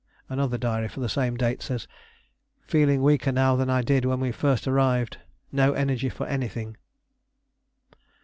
Another diary for the same date says "Feeling weaker now than I did when we first arrived; no energy for anything."